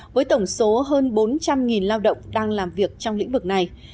với tổng số hơn bốn trăm linh lao động đang làm việc trong lĩnh vực này